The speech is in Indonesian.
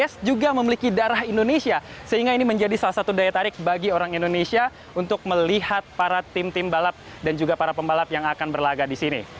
s juga memiliki darah indonesia sehingga ini menjadi salah satu daya tarik bagi orang indonesia untuk melihat para tim tim balap dan juga para pembalap yang akan berlaga di sini